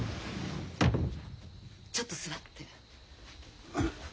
ちょっと座って。